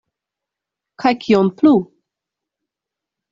Kaj kion plu?